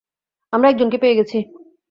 আমরা একজনকে পেয়ে গেছি।